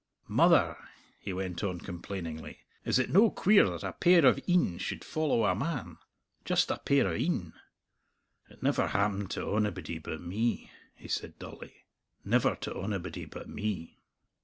"Mother," he went on complainingly, "is it no queer that a pair of een should follow a man? Just a pair of een! It never happened to onybody but me," he said dully "never to onybody but me."